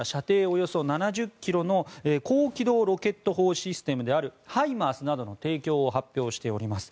およそ７０ｋｍの高機動ロケット砲システムであるハイマースなどの提供を発表しております。